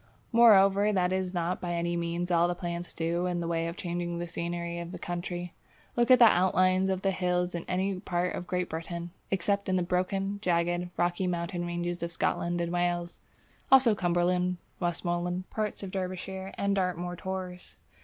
Moreover that is not by any means all that plants do in the way of changing the scenery of the country. Look at the outlines of the hills in any part of Great Britain except in the broken, jagged, rocky mountain ranges of Scotland and Wales (also Cumberland, Westmorland, parts of Derbyshire and Dartmoor tors).